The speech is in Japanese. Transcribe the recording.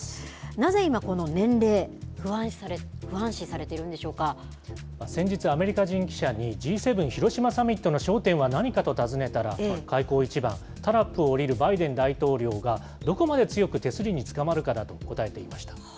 なぜ今、この年齢、不安視されて先日、アメリカ人記者にＧ７広島サミットの焦点は何かと尋ねたら、開口一番、タラップを降りるバイデン大統領が、どこまで強く手すりにつかまるかだと答えていました。